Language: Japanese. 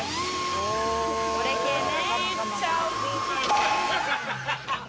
これ系ね。